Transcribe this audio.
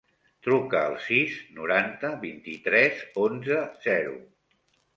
Truca al sis, noranta, vint-i-tres, onze, zero.